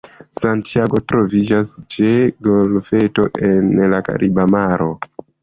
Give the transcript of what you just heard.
Santiago troviĝas ĉe golfeto en la Kariba Maro.